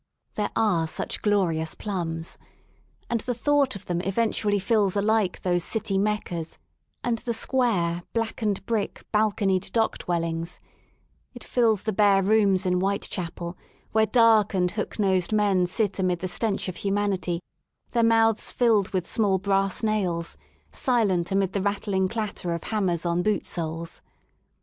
There are such glorious plums. And the thought of diem eventually fills alike those City Meccas and the square, blackened brick, balconied dock dwellings; it fills the bare rooms in Whitechapel, where dark and hook nosed men sit amid the stench of humanity, their mouths filled with small brass nails, silent amid the rattling; clatter of hammers on boot soles.